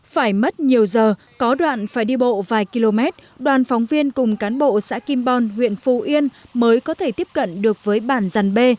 phải mất nhiều giờ có đoạn phải đi bộ vài km đoàn phóng viên cùng cán bộ xã kim bon huyện phù yên mới có thể tiếp cận được với bản dàn bê